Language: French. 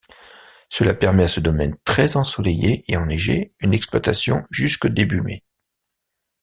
Cela permet à ce domaine très ensoleillé et enneigé une exploitation jusque début mai.